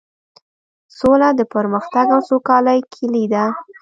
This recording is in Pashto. سوله د پرمختګ او سوکالۍ کیلي ده.